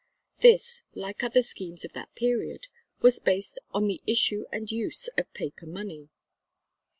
This, like other schemes of that period, was based on the issue and use of paper money.